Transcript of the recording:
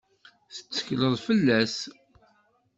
Tettekleḍ fell-as?